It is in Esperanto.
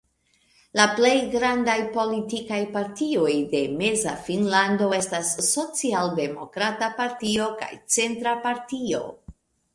La plej grandaj politikaj partioj de Meza Finnlando estas Socialdemokrata Partio kaj Centra Partio.